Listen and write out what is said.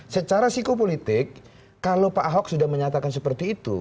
secara psikopolitik kalau pak ahok sudah menyatakan seperti itu